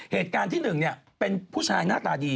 เหตุการณ์ที่๑เป็นผู้ชายหน้าตาดี